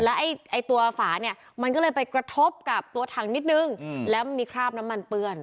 แล้วไอ้ตัวฝาเนี่ยมันก็เลยไปกระทบกับตัวถังนิดนึงแล้วมันมีคราบน้ำมันเปื้อน